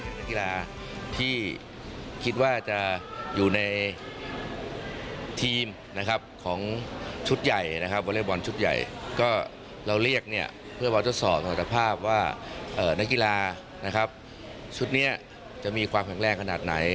นักกีฬาที่คิดว่าจะอยู่ในทีมของชุดใหญ่เราเรียกเพื่อว่าจะสอบสถานภาพว่านักกีฬาชุดนี้จะมีความแข็งแรงขนาดไหน